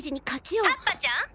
葉っぱちゃん！！